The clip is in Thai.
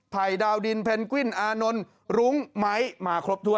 ภัยดาวดินเพนกวินอานนท์หลุงไหมมาครบทั่ว